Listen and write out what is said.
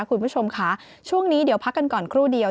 คุณผู้ชมค่ะช่วงนี้เดี๋ยวพักกันก่อนครู่เดียว